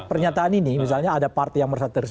pernyataan ini misalnya ada partai yang merasa tersisa